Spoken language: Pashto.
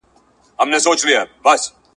د غوجل او د ګورم د څښتنانو ..